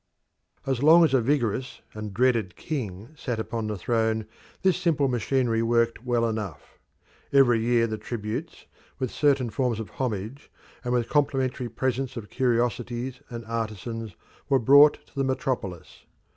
As long as a vigorous and dreaded king sat upon the throne this simple machinery worked well enough. Every year the tributes, with certain forms of homage and with complimentary presents of curiosities and artisans, were brought to the metropolis.